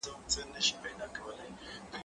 زه به سبا قلم استعمالوم کړم،